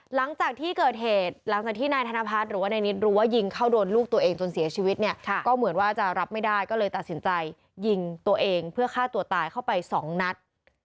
หลังจากที่เกิดเหตุหลังจากที่นายธนพัฒน์หรือว่านายนิดรู้ว่ายิงเข้าโดนลูกตัวเองจนเสียชีวิตเนี่ยก็เหมือนว่าจะรับไม่ได้ก็เลยตัดสินใจยิงตัวเองเพื่อฆ่าตัวตายเข้าไปสองนัด